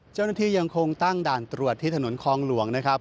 ยังคงตั้งด่านตรวจที่ถนนคลองหลวงนะครับ